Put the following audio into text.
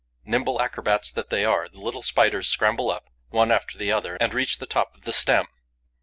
Nimble acrobats that they are, the little Spiders scramble up, one after the other, and reach the top of the stem.